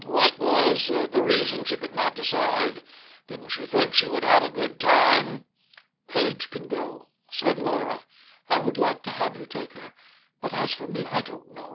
What was the reason she could not decide? Didn't she think she would have a good time? "Page can go," said Laura. "I would like to have you take her. But as for me, I don't know.